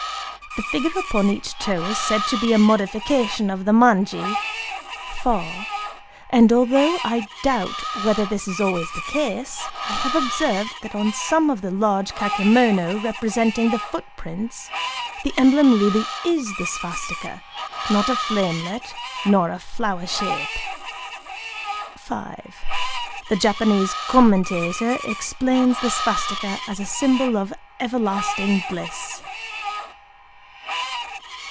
The figure upon each toe is said to be a modification of the manji; and although I doubt whether this is always the case, I have observed that on some of the large kakémono representing the footprints, the emblem really is the svastikâ,—not a flamelet nor a flower shape. The Japanese commentator explains the svastikâ as a symbol of "everlasting bliss."